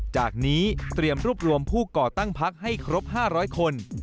จากนี้เตรียมรวบรวมผู้ก่อตั้งพักให้ครบ๕๐๐คน